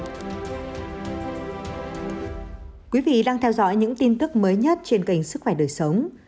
thưa quý vị đang theo dõi những tin tức mới nhất trên kênh sức khỏe đời sống